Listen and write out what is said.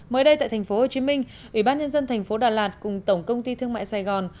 mới đây tại tp hcm ủy ban nhân dân thành phố đà lạt cùng tổng công ty thương mại sài gòn